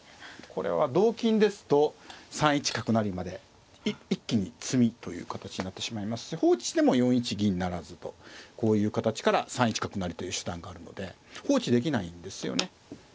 これは同金ですと３一角成まで一気に詰みという形になってしまいますし放置しても４一銀不成とこういう形から３一角成という手段があるので放置できないんですよね。